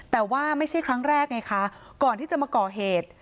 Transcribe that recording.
แต่ว่าไม่ใช่ครั้งแรกไงคะก่อนที่จะมาก่อเหตุ